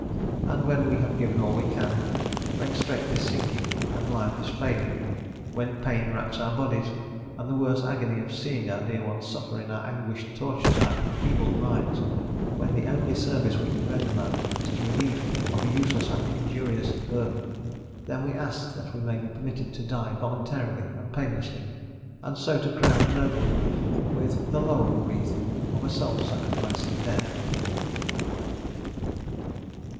And, when we have given all we can, when strength is sinking, and life is failing, when pain racks our bodies, and the worse agony of seeing our dear ones suffer in our anguish tortures our enfeebled minds, when the only service we can render man is to relieve him of a useless and injurious burden, then we ask that we may be permitted to die voluntarily and painlessly, and so to crown a noble life with the laurel wreath of a self sacrificing death.